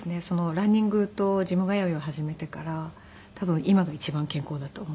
ランニングとジム通いを始めてから多分今が一番健康だと思います。